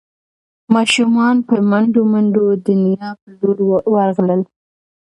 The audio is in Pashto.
ماشومان په منډو منډو د نیا په لور ورغلل.